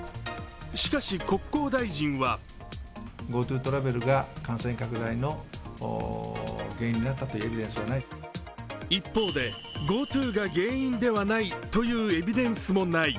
しかし国交大臣は一方で、ＧｏＴｏが原因だというエビデンスもない。